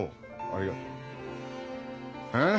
ありがとう。えっ？